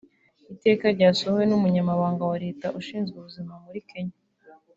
Iteka ryasohowe n’Umunyamabanga wa Leta Ushinzwe Ubuzima muri Kenya